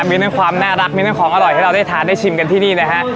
มีทั้งความน่ารักมีทั้งของอร่อยให้เราได้ทานได้ชิมกันที่นี่นะฮะ